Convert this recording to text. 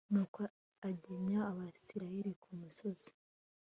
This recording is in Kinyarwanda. nuko agenya abayisraheli ku musozi